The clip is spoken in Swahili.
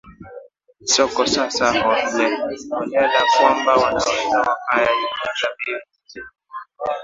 soko sasa holela kwamba wanaweza wakaiingiza vii